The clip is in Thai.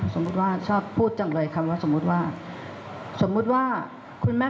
สมมุติว่าชอบพูดจังเลยคำว่าสมมุติว่าสมมุติว่าคุณแม่